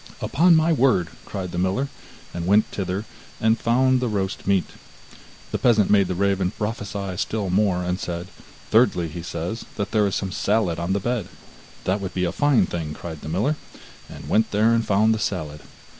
'Upon my word!' cried the miller, and went thither, and found the roast meat. The peasant made the raven prophesy still more, and said: 'Thirdly, he says that there is some salad on the bed.' 'That would be a fine thing!' cried the miller, and went there and found the salad.